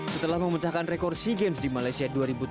setelah memecahkan rekor sea games di malaysia dua ribu tujuh belas